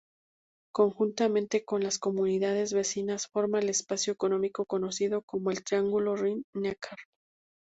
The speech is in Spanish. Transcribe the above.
Conjuntamente con las comunidades vecinas forma el espacio económico conocido como el "triángulo Rin-Neckar".